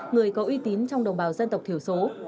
người có uy tín trong đồng bào dân tộc thiểu số